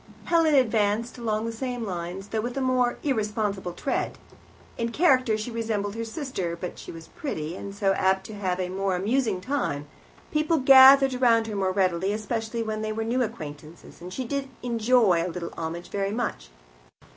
Helen advanced along the same lines, though with a more irresponsible tread. In character she resembled her sister, but she was pretty, and so apt to have a more amusing time. People gathered round her more readily, especially when they were new acquaintances, and she did enjoy a little homage very much.